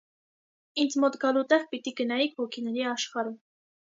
ինձ մոտ գալու տեղ պիտի գնայիք ոգիների աշխարհը: